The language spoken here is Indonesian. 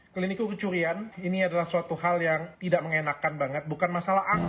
klinik kurcurian ini adalah suatu hal yang tidak mengenakan banget bukan masalah angka